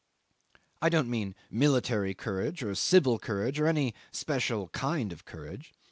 I don't mean military courage, or civil courage, or any special kind of courage.